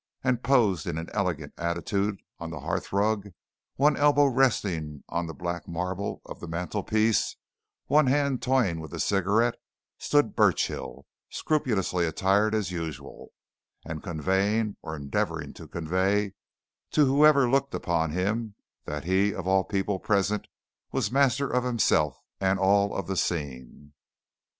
And posed in an elegant attitude on the hearthrug, one elbow resting on the black marble of the mantelpiece, one hand toying with a cigarette, stood Burchill, scrupulously attired as usual, and conveying, or endeavouring to convey to whoever looked upon him, that he, of all people present, was master of himself and all of the scene.